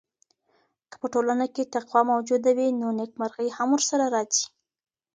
که په ټولنه کي تقوی موجوده وي نو نېکمرغي هم ورسره راځي.